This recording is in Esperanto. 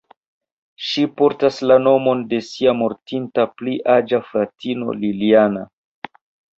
Ŝi portas la nomon de sia mortinta pli aĝa fratino Liljana.